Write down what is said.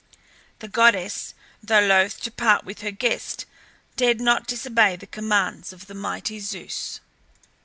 The goddess, though loath to part with her guest, dared not disobey the commands of the mighty Zeus.